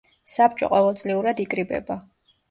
საბჭო ყოველწლიურად იკრიბება.